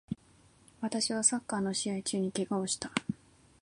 私はサッカーの試合中に怪我をした